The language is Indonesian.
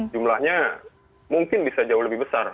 jumlahnya mungkin bisa jauh lebih besar